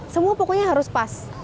semua pokoknya harus pas